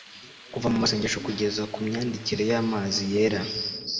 Kuva mu masengesho kugeza ku myandikire yamazi yera